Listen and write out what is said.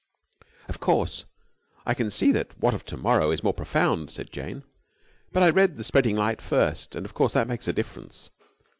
"Of course, I can see that 'What of the Morrow?' is more profound," said Jane. "But I read 'The Spreading Light' first, and of course that makes a difference."